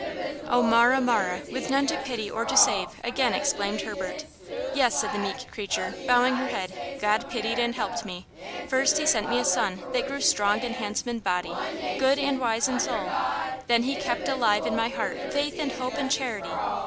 "Oh, Marah, Marah! with none to pity or to save!" again exclaimed Herbert. "Yes," said the meek creature, bowing her head; "God pitied and helped me! First he sent me a son that grew strong and handsome in body, good and wise in soul. Then He kept alive in my heart faith and hope and charity.